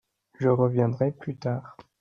Je reviendrai plus tard.